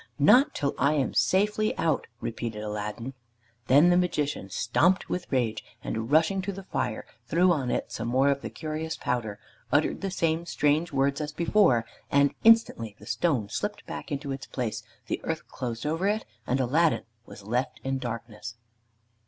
"Not till I am safely out," repeated Aladdin. Then the Magician stamped with rage, and rushing to the fire threw on it some more of the curious powder, uttered the same strange words as before, and instantly the stone slipped back into its place, the earth closed over it, and Aladdin was left in darkness.